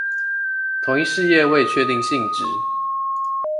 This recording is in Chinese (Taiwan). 同一事業未確定性質